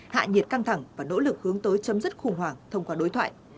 hạ nhiệt căng thẳng và nỗ lực hướng tới chấm dứt khủng hoảng thông qua đối thoại